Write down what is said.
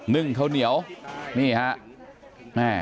นึ่งข้าวเหนียวนี่ฮะ